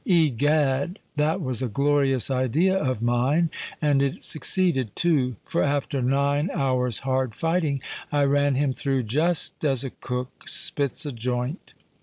Egad! that was a glorious idea of mine; and it succeeded too;—for after nine hours' hard fighting, I ran him through just as a cook spits a joint.